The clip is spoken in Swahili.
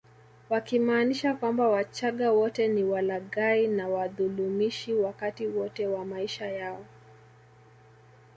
Wakimaanisha kwamba wachaga wote ni walaghai na wadhulumishi wakati wote wa maisha yao